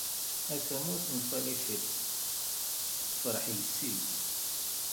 A tamurt n Falicit, freḥ yes-i!